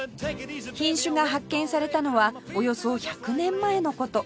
品種が発見されたのはおよそ１００年前の事